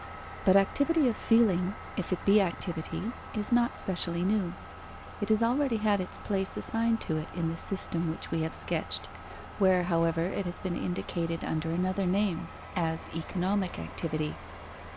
But activity of feeling, if it be activity, is not specially new. It has already had its place assigned to it in the system which we have sketched, where, however, it has been indicated under another name, as economic activity.